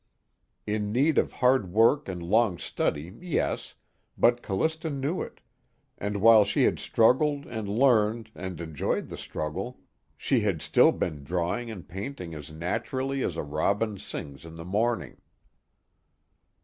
In need of hard work and long study, yes, but Callista knew it, and while she had struggled and learned and enjoyed the struggle, she had still been drawing and painting as naturally as a robin sings in the morning.